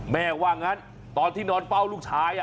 แม่ว่างั้นตอนที่นอนเฝ้าลูกชาย